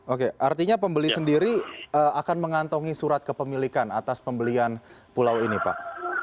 oke artinya pembeli sendiri akan mengantongi surat kepemilikan atas pembelian pulau ini pak